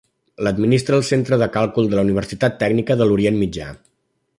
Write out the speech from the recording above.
L'administra el Centre de Càlcul de la Universitat Tècnica de l'Orient Mitjà.